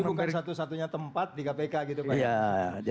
jadi bukan satu satunya tempat di kpk gitu pak